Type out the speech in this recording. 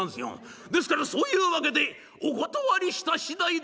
ですからそういうわけでお断りした次第でございます！」。